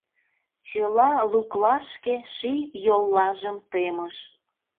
Чыла луклашке ший йоллажым темыш.